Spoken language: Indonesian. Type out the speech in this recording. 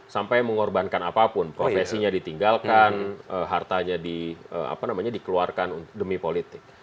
sampai mengorbankan apapun profesinya ditinggalkan hartanya dikeluarkan demi politik